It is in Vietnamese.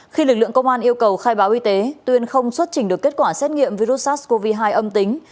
khi lực lượng công an yêu cầu khai báo y tế tuyên không xuất trình được kết quả xét nghiệm virus sars cov hai âm tính